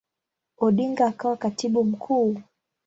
Odinga akawa Katibu Mkuu.